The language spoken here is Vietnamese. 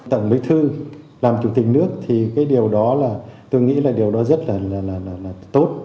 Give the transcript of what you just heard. tổng bí thư làm chủ tịch nước thì cái điều đó là tôi nghĩ là điều đó rất là tốt